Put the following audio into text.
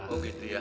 oh gitu ya